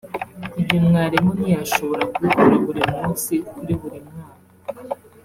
Ibi mwarimu ntiyashobora kubikora buri munsi kuri buri mwana